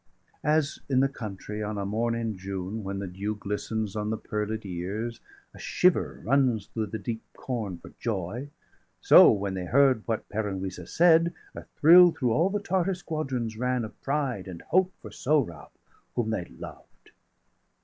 As, in the country, on a morn in June, When the dew glistens on the pearled ears, 155 A shiver runs through the deep corn° for joy °156 So, when they heard what Peran Wisa said, A thrill through all the Tartar squadrons ran Of pride and hope for Sohrab, whom they loved.